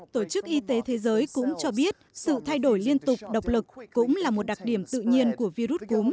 tổ chức y tế thế giới cũng cho biết sự thay đổi liên tục độc lực cũng là một đặc điểm tự nhiên của virus cúm